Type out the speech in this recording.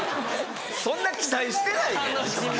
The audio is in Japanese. そんな期待してないで。